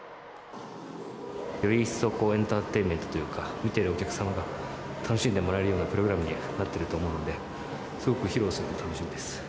より一層エンターテインメントというか、見てるお客様が楽しんでもらえるようなプログラムになっていると思うので、すごく披露するのが楽しみです。